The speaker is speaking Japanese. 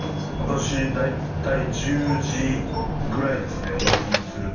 私大体１０時ぐらいですね平均すると。